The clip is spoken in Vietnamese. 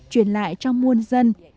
truyền lại cho muôn dân